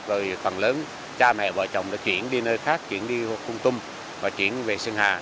rồi phần lớn cha mẹ vợ chồng đã chuyển đi nơi khác chuyển đi khung tung và chuyển về sân hà